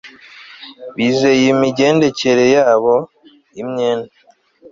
bizeye imigendekere yabo, imyenda